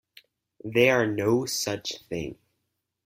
They are no such thing.